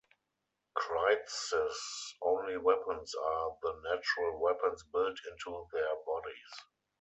Krites' only weapons are the natural weapons built into their bodies.